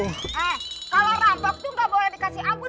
eh kalo rampok tuh ga boleh dikasih ampun